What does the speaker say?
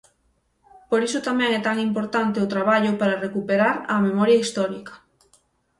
Por iso tamén é tan importante o traballo para recuperar a memoria histórica.